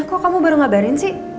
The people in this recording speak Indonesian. kok kamu baru ngabarin sih